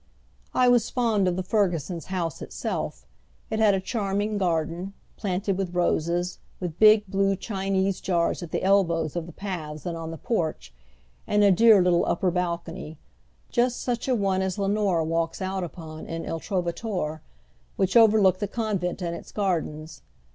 I was fond of the Fergusons' house itself. It had a charming garden, planted with roses, with big, blue Chinese jars at the elbows of the paths and on the porch, and a dear little upper balcony just such a one as Leonore walks out upon in Il Trovatore which overlooked the convent and its gardens.